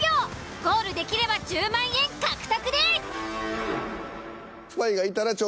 ゴールできれば１０万円獲得です！